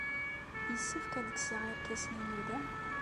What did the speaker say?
Yessefk ad kkseɣ irkasen-inu da?